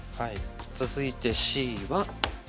続いてＣは。